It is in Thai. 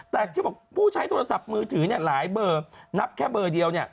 แต่ที่บอกผู้ใช้โทรศัพท์มือถือหลายเบอร์นับแค่เบอร์เดียว